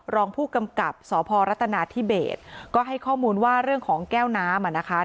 รองผู้กำกับสพรัฐนาธิเบสก็ให้ข้อมูลว่าเรื่องของแก้วน้ำอ่ะนะคะ